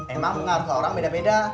emang harusnya orang beda beda